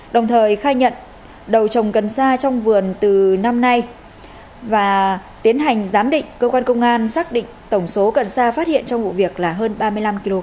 đồng thời khai nhận đầu trồng cần sa trong vườn từ năm nay và tiến hành giám định cơ quan công an xác định tổng số cần sa phát hiện trong vụ việc là hơn ba mươi năm kg